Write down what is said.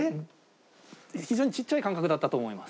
非常にちっちゃい感覚だったと思います。